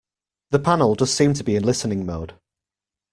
The panel does seem to be in listening mode.